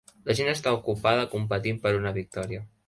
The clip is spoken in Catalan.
La gent està ocupada competint per una victòria.